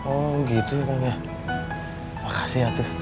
oh gitu ya makasih ya itu